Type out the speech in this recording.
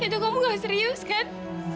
dok kamu nggak serius kan